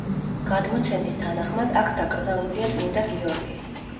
გადმოცემის თანახმად აქ დაკრძალულია წმინდა გიორგი.